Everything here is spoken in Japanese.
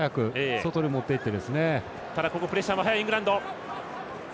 外に持っていって。